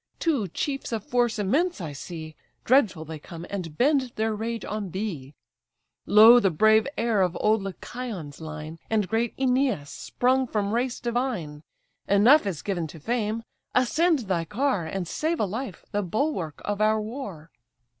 two chiefs of force immense I see, Dreadful they come, and bend their rage on thee: Lo the brave heir of old Lycaon's line, And great Æneas, sprung from race divine! Enough is given to fame. Ascend thy car! And save a life, the bulwark of our war."